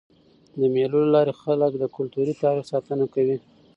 د مېلو له لاري خلک د کلتوري تاریخ ساتنه کوي.